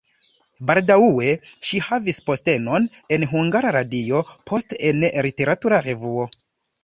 Baldaŭe ŝi havis postenon en Hungara Radio, poste en literatura revuo.